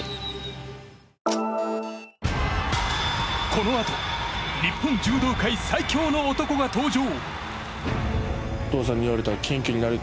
このあと日本柔道界最強の男が登場。